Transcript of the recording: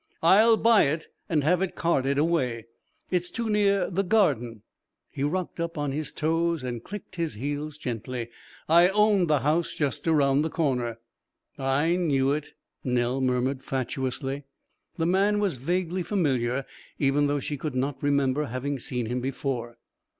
"I'll buy it and have it carted away. It's too near the 'Garden.'" He rocked up on his toes and clicked his heels gently. "I own the house just around the corner." "I knew it," Nell murmured fatuously. The man was vaguely familiar, even though she could not remember having seen him before.